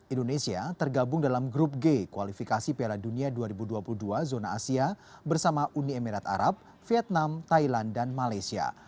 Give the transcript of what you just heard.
indonesia tergabung dalam grup g kualifikasi piala dunia dua ribu dua puluh dua zona asia bersama uni emirat arab vietnam thailand dan malaysia